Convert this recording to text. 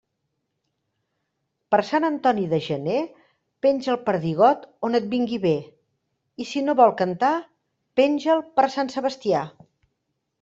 Per Sant Antoni de gener penja el perdigot on et vingui bé, i si no vol cantar, penja'l per Sant Sebastià.